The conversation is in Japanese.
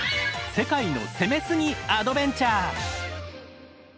世界の「攻めすぎ！？アドベンチャー」！